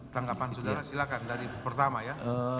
tanggapan saudara silakan dari pertama ya